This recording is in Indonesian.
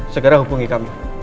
segera hubungi kami